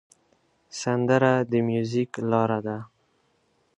سندره د میوزیک لاره ده